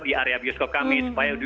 di area bioskop kami supaya